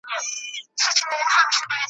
د ځوانۍ په خوب کي تللې وه نشه وه ,